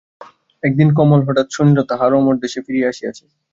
একদিন কমল হঠাৎ শুনিল তাহার অমর দেশে ফিরিয়া আসিয়াছে।